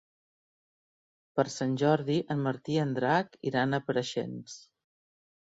Per Sant Jordi en Martí i en Drac iran a Preixens.